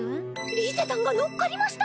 リゼたんが乗っかりました！